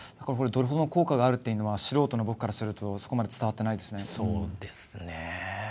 どれほどの効果があるのかというのは素人の僕からするとそこまで伝わっていないですね。